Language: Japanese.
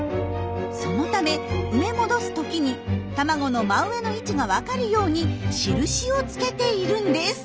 そのため埋め戻す時に卵の真上の位置が分かるように印をつけているんです。